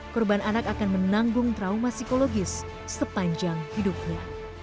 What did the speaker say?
korban anak akan menanggung trauma psikologis sepanjang hidupnya